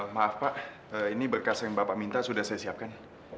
maaf pak ini berkas yang bapak minta sudah saya siapkan